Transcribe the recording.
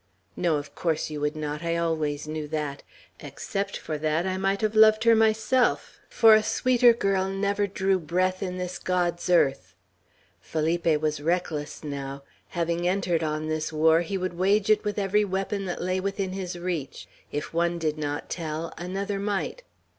"No, of course you would not, I always knew that; except for that, I might have loved her myself, for a sweeter girl never drew breath in this God's earth." Felipe was reckless now; having entered on this war, he would wage it with every weapon that lay within his reach; if one did not tell, another might.